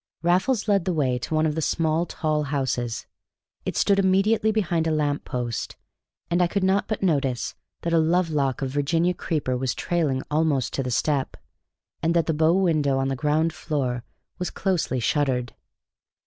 Raffles led the way to one of the small tall houses. It stood immediately behind a lamppost, and I could not but notice that a love lock of Virginia creeper was trailing almost to the step, and that the bow window on the ground floor was closely shuttered.